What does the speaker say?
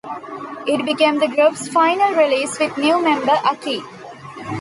It became the group's final release with new member, Aki.